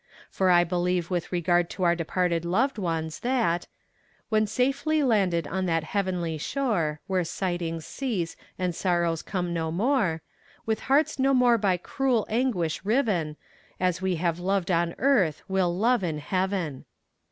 For I believe with regard to our departed loved ones, that When safely landed on that heavenly shore Where sighings cease and sorrows come no more With hearts no more by cruel anguish riven, As we have loved on earth we'll love in heaven.